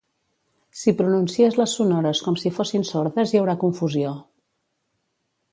Si pronuncies les sonores com si fossin sordes hi haurà confusió